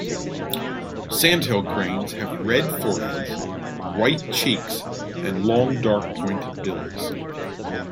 Sandhill cranes have red foreheads, white cheeks, and long, dark, pointed bills.